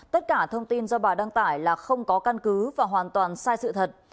tất cả thông tin do bà đăng tải là không có căn cứ và hoàn toàn sai sự thật